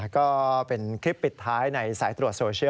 ก็เป็นคลิปปิดท้ายในสายตรวจโซเชียล